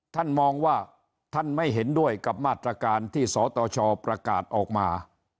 ท่านมองว่าท่านไม่เห็นด้วยกับมาตรการที่สตชประกาศออกมา